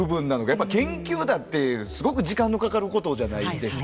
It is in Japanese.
やっぱ研究だってすごく時間のかかることじゃないですか。